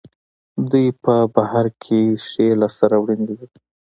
دوی په بهر کې ښې لاسته راوړنې لري.